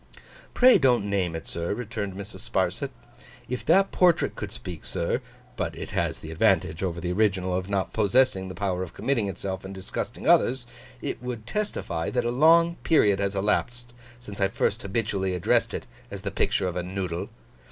'Pray don't name it, sir,' returned Mrs. Sparsit. 'If that portrait could speak, sir—but it has the advantage over the original of not possessing the power of committing itself and disgusting others,—it would testify, that a long period has elapsed since I first habitually addressed it as the picture of a Noodle.